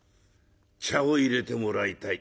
茶をいれてもらいたい」。